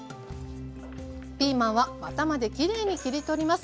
ピーマンはワタまできれいに切り取ります。